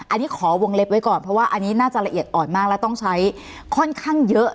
อันนี้ขอวงเล็บไว้ก่อนเพราะว่าอันนี้น่าจะละเอียดอ่อนมากและต้องใช้ค่อนข้างเยอะ